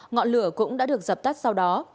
ngọn lửa cũng đã được dập tắt sau đó